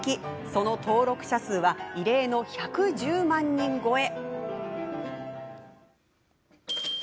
その登録者数は異例の１１０万人超え。